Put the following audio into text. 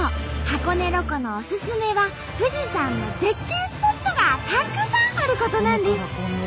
箱根ロコのオススメは富士山の絶景スポットがたくさんあることなんです！